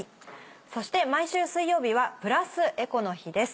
そして毎週水曜日はプラスエコの日です。